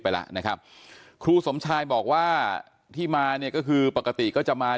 ไปแล้วนะครับครูสมชายบอกว่าที่มาเนี่ยก็คือปกติก็จะมา